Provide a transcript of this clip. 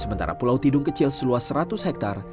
sementara pulau tidung kecil seluas seratus hektare